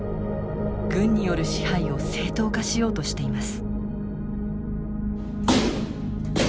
軍による支配を正当化しようとしています。